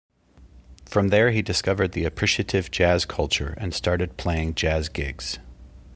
From there he discovered the appreciative jazz culture and started playing jazz gigs.